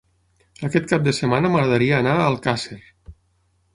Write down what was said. Aquest cap de setmana m'agradaria anar a Alcàsser.